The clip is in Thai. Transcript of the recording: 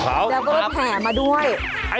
เดี๋ยวก็รถแผ่มาด้วยครับ